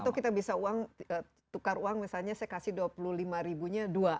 atau kita bisa tukar uang misalnya saya kasih rp dua puluh lima dua